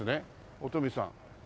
お富さん。